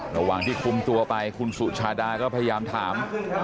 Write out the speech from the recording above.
ระหว่างที่คุมตัวไปคุณสุชาดาก็พยายามถาม